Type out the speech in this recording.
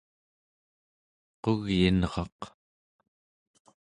qugyinraq